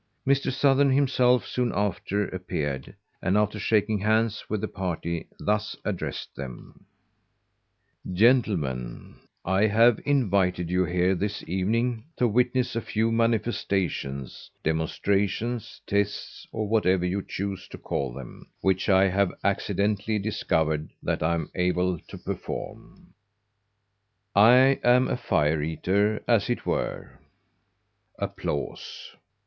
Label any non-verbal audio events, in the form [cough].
Mr. Sothern himself soon after appeared, and, after shaking hands with the party, thus addressed them: "Gentlemen, I have invited you here this evening to witness a few manifestations, demonstrations, tests, or whatever you choose to call them, which I have accidentally discovered that I am able to perform. "I am a fire eater, as it were. [applause]